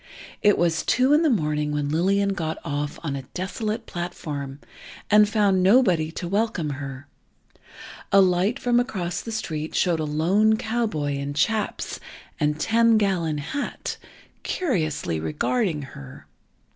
It was two in the morning when Lillian got off on a desolate platform, and found nobody to welcome her. A light from across the street showed a lone cowboy, in chaps, and "ten gallon hat," curiously regarding her.